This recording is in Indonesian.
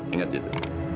ingat ya tante